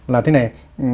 là thế này